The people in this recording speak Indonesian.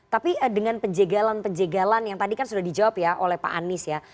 tapi dengan penjagalan penjagalan yang tadi kan sudah dijawab ya oleh pak anies ya